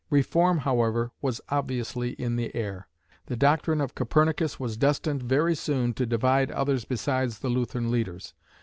Reform, however, was obviously in the air. The doctrine of Copernicus was destined very soon to divide others besides the Lutheran leaders.